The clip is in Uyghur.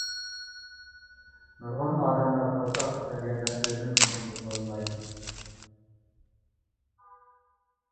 نۇرغۇن ئادەملەر قورساققا كەلگەندە ئۆزىنى كونترول قىلالمايدۇ.